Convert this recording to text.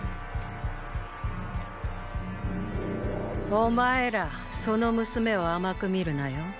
お前らその娘を甘く見るなよ。